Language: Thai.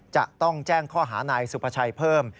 จะต้องแจ้งข้อหานายสุภาชัยเพิ่ม